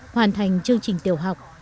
hoàn thành chương trình tiểu học